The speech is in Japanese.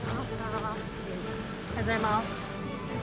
おはようございます。